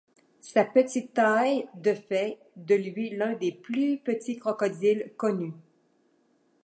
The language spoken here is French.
Sa petite taille de fait de lui l'un des plus petits crocodiles connus.